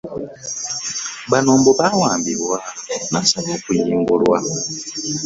Bano mbu baawambibwa, n'asaba okuyimbulwa.